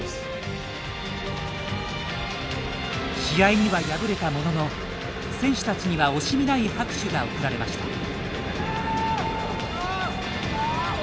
試合には敗れたものの選手たちには惜しみない拍手が送られました。